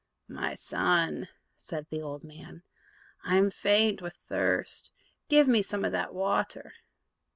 "My son," said the old man, "I am faint with thirst, give me some of that water."